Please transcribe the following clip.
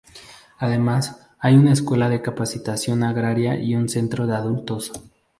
Además, hay una escuela de capacitación agraria y un centro de adultos.